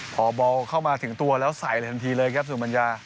พอบอลเข้ามาถึงตัวแล้วใส่เลยทันทีเลยครับสุมัญญา